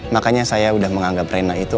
makanya saya udah menganggap rena itu